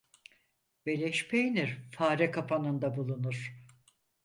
Beleş peynir fare kapanında bulunur.